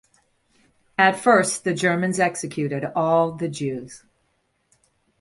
At first the Germans executed all the Jews.